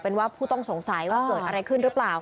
เป็นว่าผู้ต้องสงสัยว่าเกิดอะไรขึ้นหรือเปล่า